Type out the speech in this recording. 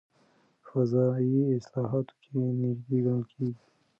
په فضایي اصطلاحاتو کې نژدې ګڼل کېږي.